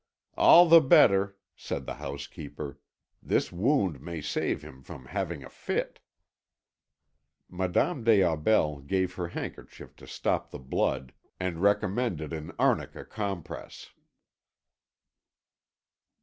"All the better," said the housekeeper; "this wound may save him from having a fit." Madame des Aubels gave her handkerchief to stop the blood, and recommended an arnica compress.